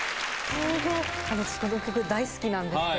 私、この曲大好きなんですけ